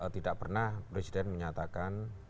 tidak pernah presiden menyatakan